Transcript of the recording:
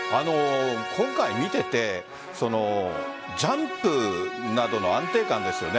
今回見ててジャンプなどの安定感ですよね